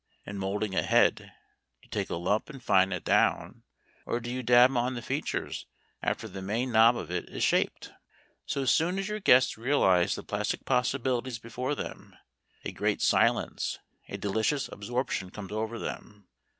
In moulding a head, do you take a lump and fine it down, or do you dab on the features after the main knob of it is shaped? So soon as your guests realise the plastic possibilities before them, a great silence, a delicious absorption comes over them.